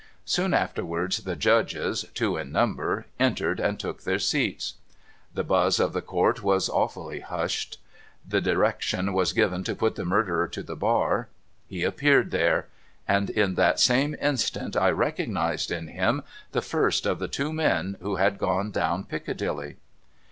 Soon afterwards the Judges, two in number, entered, and took their seats. The buzz in the Court was awfully hushed. The direction was given to put the Murderer to the bar. He appeared there. And in that same instant I recognised in him the first of the two men who had gone down Piccadilly.